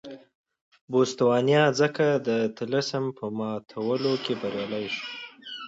بوتسوانا ځکه د طلسم په ماتولو کې بریالۍ شوه.